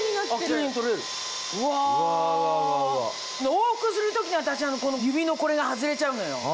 往復する時に私指のこれが外れちゃうのよ。